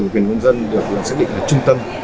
và quyền con dân được xác định ở trung tâm